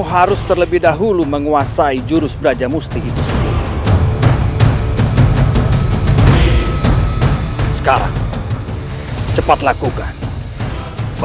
kakakku insyaallah aku ritu dan semua ada